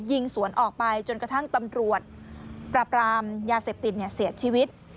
ยิงสวนออกไปจนกระทั่งตำรวจปราบรามยาเสพติดเสียชีวิต